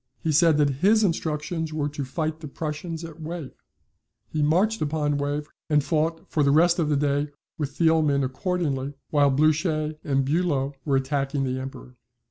He said that his instructions were to fight the Prussians at Wavre. He marched upon Wavre and fought for the rest of the day with Thielman accordingly, while Blucher and Bulow were attacking the Emperor.